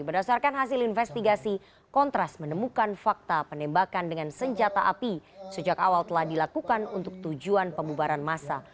berdasarkan hasil investigasi kontras menemukan fakta penembakan dengan senjata api sejak awal telah dilakukan untuk tujuan pemubaran masa